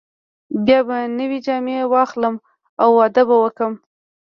بیا به نوې جامې واخلم او واده به وکړم.